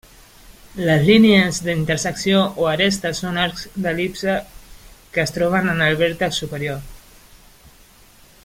Les línies d'intersecció o arestes són arcs d'el·lipse que es troben en el vèrtex superior.